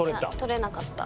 取れなかった。